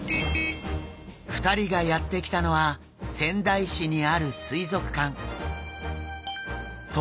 ２人がやって来たのは仙台市にある水族館。